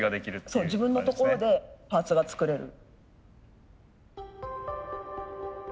そう自分のところでパーツが作れる。